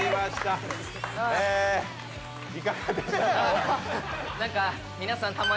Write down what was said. いかがでしたか？